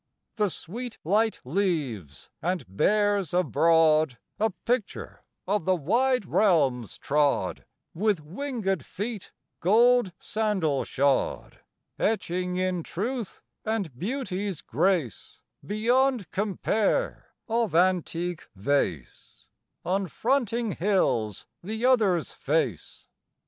The sweet light leaves, and bears abroad, A picture of the wide realms trod With wingëd feet gold sandal shod; Etching in truth and beauty's grace, Beyond compare of antique vase, On fronting hills the other's face.